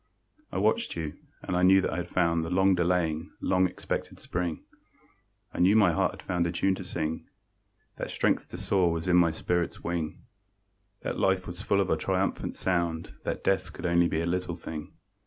I watched you, and I knew that I had found The long delaying, long expected Spring; I knew my heart had found a tune to sing; That strength to soar was in my spirit's wing; That life was full of a triumphant sound, That death could only be a little thing.